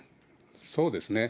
そうですね。